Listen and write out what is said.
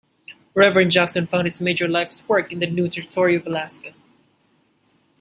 Reverend Jackson found his major life's work in the new territory of Alaska.